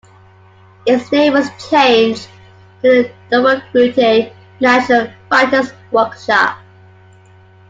Its name was changed to the Dumaguete National Writers Workshop.